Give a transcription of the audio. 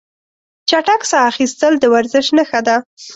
چټک ساه اخیستل د ورزش نښه ده.